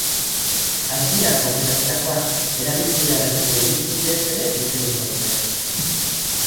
Argiak aukeratzerakoan erabili beharreko irizpideez ere hitz egingo dute.